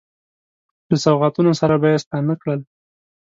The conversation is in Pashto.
له سوغاتونو سره به یې ستانه کړل.